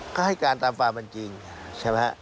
เขาให้การตามฟังมันจริงใช่ไหม